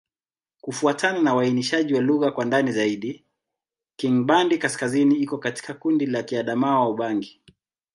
Kufuatana na uainishaji wa lugha kwa ndani zaidi, Kingbandi-Kaskazini iko katika kundi la Kiadamawa-Ubangi.